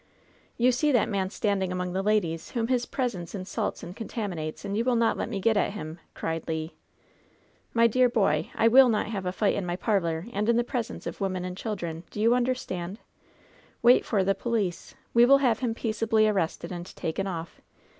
"You see that man standing among the ladies, whom his presence insults and contaminates, and you will not let me get at him I" cried Le. "My dear boy, I will not have a fight in my parlor. 92 LOVE'S BITTEREST CUP and in the presence of women and children, do yon un derstand? Wait for the police. We will have him peaceably arrested and taken off.